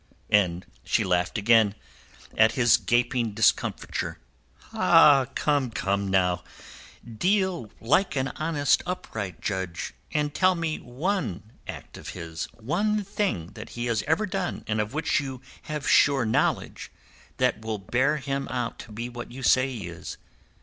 And she laughed again at his gaping discomfiture. "Come, now, deal like an honest upright judge, and tell me one act of his—one thing that he has ever done and of which you have sure knowledge—that will bear him out to be what you say he is.